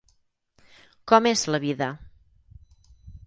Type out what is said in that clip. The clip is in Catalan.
Com és la vida?